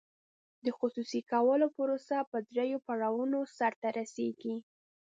د خصوصي کولو پروسه په درې پړاوونو سر ته رسیږي.